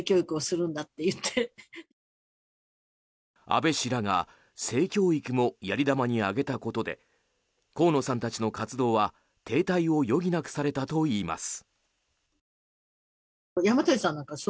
安倍氏らが性教育もやり玉に挙げたことで河野さんたちの活動は停滞を余儀なくされたといいます。